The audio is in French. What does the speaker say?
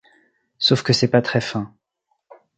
Sauf que c’est pas très fin.